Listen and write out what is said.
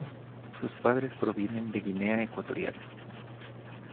Sus padres provienen de Guinea Ecuatorial.